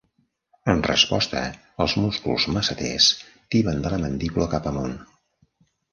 En resposta, els músculs masseters tiben de la mandíbula cap amunt.